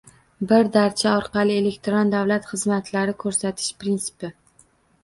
“Bir darcha” orqali elektron davlat xizmatlari ko‘rsatish prinsipi